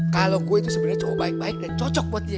kalau gue itu sebenarnya cukup baik baik dan cocok buat dia